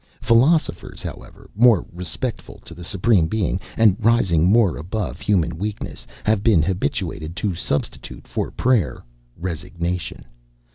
Philosophers, however, more respectful to the Supreme Being, and rising more above human weakness, have been habituated to substitute, for prayer, resignation.